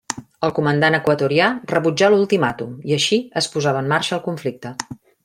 El comandant equatorià rebutjà l'ultimàtum, i així es posava en marxa el conflicte.